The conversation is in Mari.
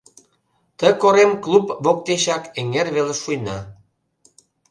Ты корем клуб воктечак эҥер велыш шуйна.